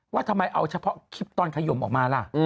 ว่าทำไมเอาเฉพาะคลิปตอนขยมออกมาล่ะ